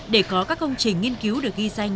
để có các công trình nghiên cứu được ghi danh